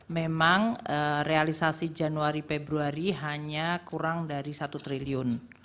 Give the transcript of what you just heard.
memang realisasi januari februari hanya kurang dari satu triliun